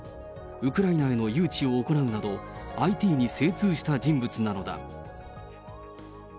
ウクライナへの誘致を行うなど、ＩＴに精通した人物なのだ。